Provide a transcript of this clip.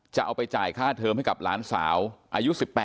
จะเอาไปจ่ายค่าเทอมให้กับหลานสาวอายุ๑๘